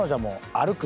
歩く